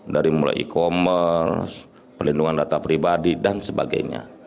dari mulai e commerce pelindungan data pribadi dan sebagainya